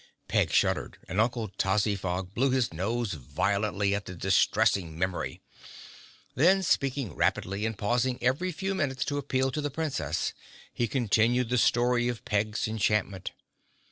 Peg shuddered and Uncle Tozzyfog blew his nose violently at the distressing memory. Then, speaking rapidly and pausing every few minutes to appeal to the Princess, he continued the story of Peg's enchantment.